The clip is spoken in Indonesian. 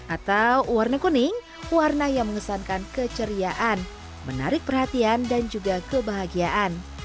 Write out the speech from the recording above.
atau warna kuning warna yang mengesankan keceriaan menarik perhatian dan juga kebahagiaan